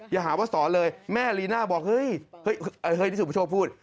อย่าหาว่าสตรเลยแม่ลีน่าบอกเฮ้ยเฮ้ยเฮ้ยที่สุดผู้ชมพูด